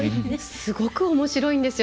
すごくおもしろいんですよ。